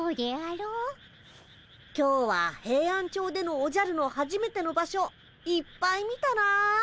今日はヘイアンチョウでのおじゃるのはじめての場所いっぱい見たなあ。